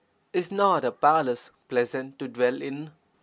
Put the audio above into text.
Is not a palace pleasant to dwell in?